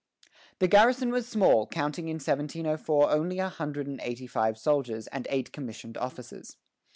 The garrison was small, counting in 1704 only a hundred and eighty five soldiers and eight commissioned officers.